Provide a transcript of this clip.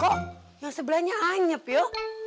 kok yang sebelahnya anyap yo